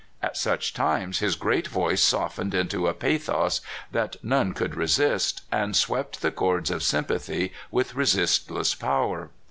At such times, his great voice softened into a pathos that none could resist, and swept the chords of sympathy with resistless power.